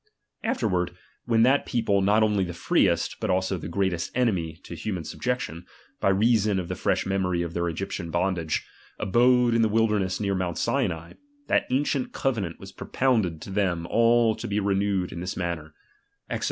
Afterward, when that people, not only the freest, but also the greatest enemy to human sub jection, by reason of the fresh memory of their Egyptian bondage, abode in the wilderness near mount Sinai, that ancient covenant was propounded to them all to be renewed in this manner (Exod.